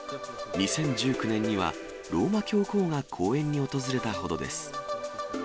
２０１９年にはローマ教皇が講演に訪れたほどです。